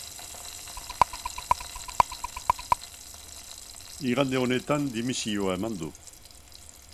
Igande honetan dimisioa eman du.